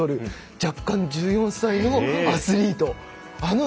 若干、１４歳のアスリート。